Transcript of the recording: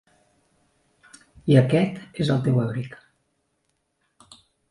I aquest és el teu abric.